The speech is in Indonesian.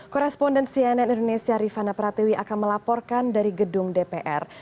koresponden cnn indonesia rifana pratiwi akan melaporkan dari gedung dpr